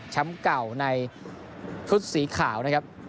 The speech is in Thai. แชมป์เก่าในทุศีขาวนะครับ